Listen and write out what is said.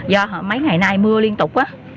do mấy ngày nay mưa liên tục